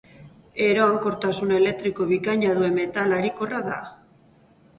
Eroankortasun elektriko bikaina duen metal harikorra da.